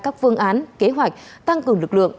các phương án kế hoạch tăng cường lực lượng